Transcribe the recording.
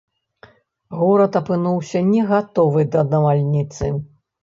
Горад апынуўся не гатовы да навальніцы.